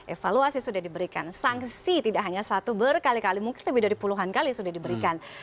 evaluasi sudah diberikan sanksi tidak hanya satu berkali kali mungkin lebih dari puluhan kali sudah diberikan